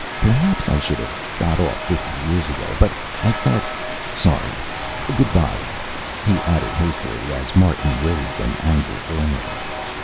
"Perhaps I should have got off fifty years ago, but I thought sorry. Good bye," he added hastily as Martin raised an angry glare.